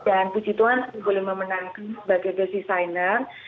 dan puji tuhan saya boleh memenangkan sebagai designer